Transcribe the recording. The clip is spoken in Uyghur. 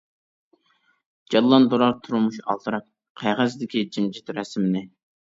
جانلاندۇرار تۇرمۇش ئالدىراپ، قەغەزدىكى جىمجىت رەسىمنى.